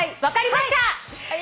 分かりました！